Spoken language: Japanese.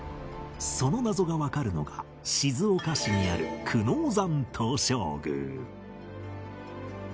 その謎がわかるのが静岡市にある久能山東照宮